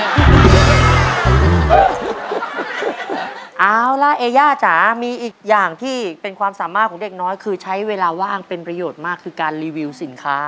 เอาล่ะเอย่าจ๋ามีอีกอย่างที่เป็นความสามารถของเด็กน้อยคือใช้เวลาว่างเป็นประโยชน์มากคือการรีวิวสินค้า